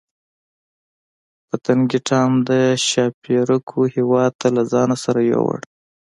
پتنګې ټام د ښاپیرکو هیواد ته له ځان سره یووړ.